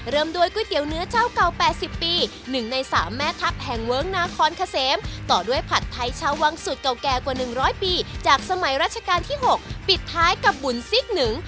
เริ่มด้วยก๋วยเตี๋ยวเนื้อเจ้าเก่า๘๐ปี๑ใน๓แม่ทัพแห่งเวิ้งนาคอนเกษมต่อด้วยผัดไทยชาววังสูตรเก่าแก่กว่า๑๐๐ปีจากสมัยราชการที่๖ปิดท้ายกับบุญซิกหนึ่ง